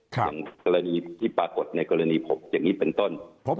อย่างที่ปรากฏในกรณี๖อันนี้เป็นต้น